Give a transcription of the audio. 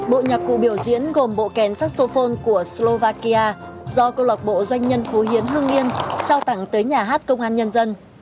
bộ nhà cụ biểu diễn gồm bộ kèn saxophone của slovakia do công lọc bộ doanh nhân phú hiến hương yên trao tặng tới nhà hát công an nhân dân